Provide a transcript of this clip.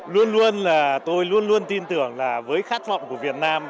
luôn luôn là tôi luôn luôn tin tưởng là với khát vọng của việt nam